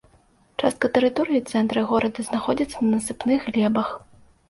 Частка тэрыторыі цэнтра горада знаходзіцца на насыпных глебах.